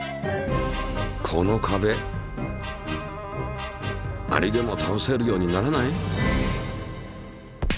この壁アリでもたおせるようにならない？